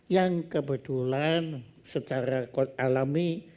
yang kebetulan secara alami